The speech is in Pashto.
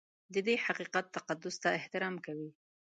د دې حقیقت تقدس ته احترام کوي.